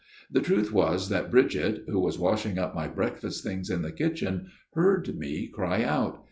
The truth was that Bridget, who was washing up my breakfast things in the kitchen, heard me cry out.